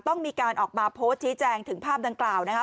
ต้องมีการออกมาโพสต์ชี้แจงถึงภาพดังกล่าวนะคะ